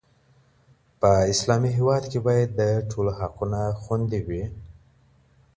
په اسلامي هېواد کي باید د ټولو حقونه خوندي وي.